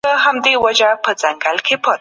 هغوی د پښو نښې لیدلې وې.